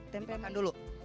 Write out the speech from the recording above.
tempe makan dulu